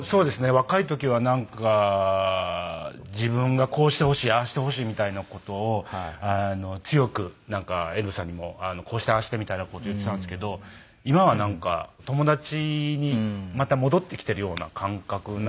若い時はなんか自分がこうしてほしいああしてほしいみたいな事を強くなんか遠藤さんにも「こうしてああして」みたいな事言ってたんですけど今はなんか友達にまた戻ってきてるような感覚なので。